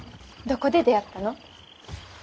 どこで出会ったの？